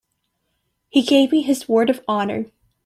He gave me his word of honor.